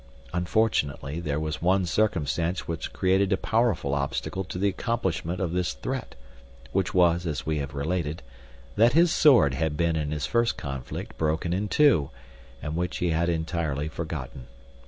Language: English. Unfortunately, there was one circumstance which created a powerful obstacle to the accomplishment of this threat; which was, as we have related, that his sword had been in his first conflict broken in two, and which he had entirely forgotten.